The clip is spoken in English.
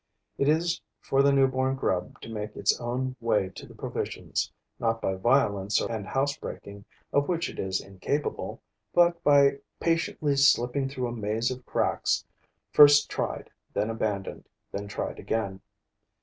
It is for the new born grub to make its own way to the provisions, not by violence and house breaking, of which it is incapable, but by patiently slipping through a maze of cracks, first tried, then abandoned, then tried again.